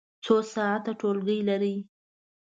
څو ساعته ټولګی لرئ؟